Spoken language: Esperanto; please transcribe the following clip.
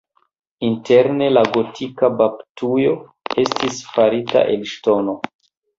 Interne la gotika baptujo estis farita el ŝtono.